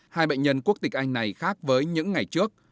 hai bệnh nhân quốc tịch anh này khác với những ngày trước